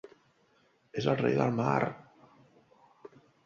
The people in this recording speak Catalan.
És el rei del mar!